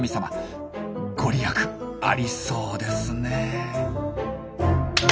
御利益ありそうですね。